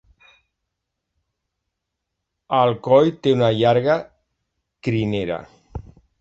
El coll té una llarga crinera.